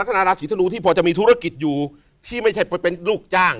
ก็จะไม่ใช่เป็นลูกจ้าง